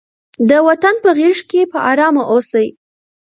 د وطن په غېږ کې په ارامه اوسئ.